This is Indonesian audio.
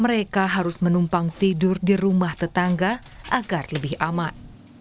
mereka harus menumpang tidur di rumah tetangga agar lebih aman